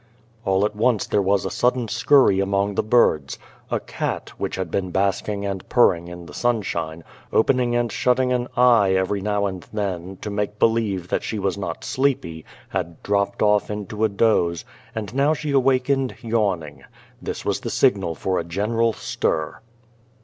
All at once there was a sudden scurry among the birds. A cat which had been basking and purring in the sunshine, open ing and shutting an eye, every now and then, to make believe that she was not sleepy, had dropped off into a doze, and now she awakened, yawning. This was the signal for a general stir.